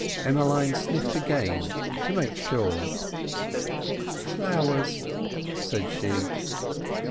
Emmeline sniffed again to make sure. "Flowers," said she.